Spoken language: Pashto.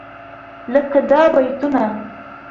لکه دا بيتونه: